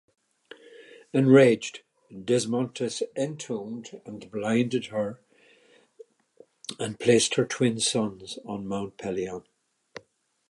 Enraged, Desmontes entombed and blinded her and placed her twin sons on Mount Pelion.